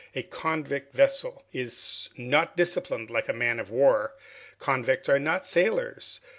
"A convict vessel is not disciplined like a man of war! Convicts are not sailors.